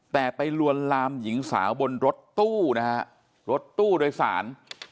แต่ไปลวนลามหญิงสาวบนรถตู้นะฮะรถตู้โดยสาร